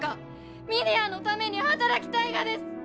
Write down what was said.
峰屋のために働きたいがです！